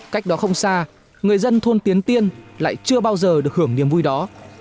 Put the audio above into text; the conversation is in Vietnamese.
cách đó không xa người dân thôn tiến tiên lại chưa bao giờ được hưởng niềm vui đó